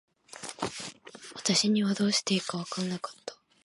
私にはどうしていいか分らなかった。